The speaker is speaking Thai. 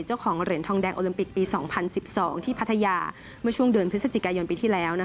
เจ้าของเหรียญทองแดงโอลิมปิกปี๒๐๑๒ที่พัทยาเมื่อช่วงเดือนพฤศจิกายนปีที่แล้ว